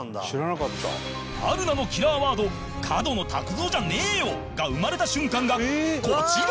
春菜のキラーワード「角野卓造じゃねーよ！」が生まれた瞬間がこちら